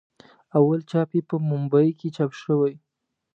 اول چاپ یې په بمبئي کې چاپ شوی.